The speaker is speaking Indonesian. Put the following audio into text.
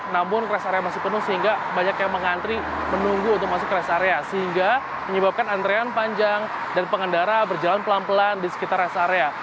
namun rest area masih penuh sehingga banyak yang mengantri menunggu untuk masuk ke rest area sehingga menyebabkan antrean panjang dan pengendara berjalan pelan pelan di sekitar rest area